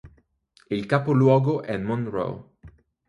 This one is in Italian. Il capoluogo è Monroe.